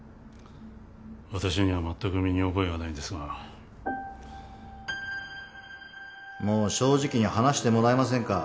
私にはまったく身に覚えがないんですがもう正直に話してもらえませんか？